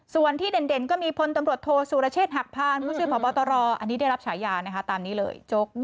ส่วนที่เด่นก็มีพลตำรวจโทษสุรเชษฐหักพานผู้ช่วยพบตรอันนี้ได้รับฉายาตามนี้เลย